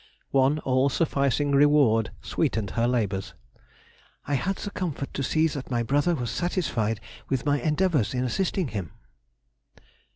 One all sufficing reward sweetened her labours—"I had the comfort to see that my brother was satisfied with my endeavours in assisting him."